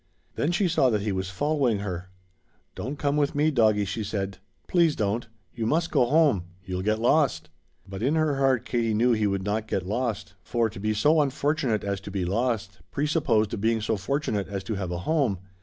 Then she saw that he was following her. "Don't come with me, doggie," she said; "please don't. You must go home. You'll get lost." But in her heart Katie knew he would not get lost, for to be so unfortunate as to be lost presupposed being so fortunate as to have a home.